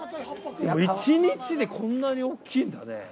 １日でこんなに大きいんだね。